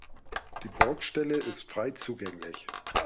Die Burgstelle ist frei zugänglich.